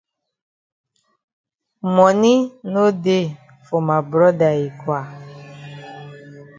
Moni no dey for ma broda yi kwa.